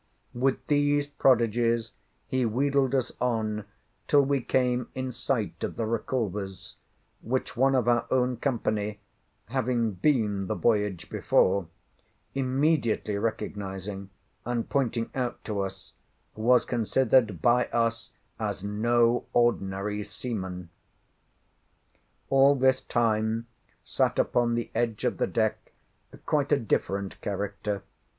With these prodigies he wheedled us on till we came in sight of the Reculvers, which one of our own company (having been the vogage before) immediately recognising, and pointing out to us, was considered by us as no ordinary seaman. All this time sat upon the edge of the deck quite a different character.